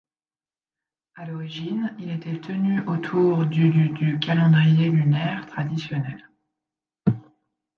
À l’origine, il était tenu autour du du du calendrier lunaire traditionnel.